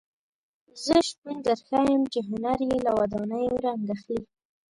زه شپون درښیم چې هنر یې له ودانیو رنګ اخلي.